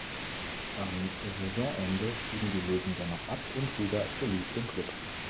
Am Saisonende stiegen die „Löwen“ dennoch ab und Huber verließ den Klub.